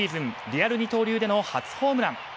リアル二刀流での初ホームラン。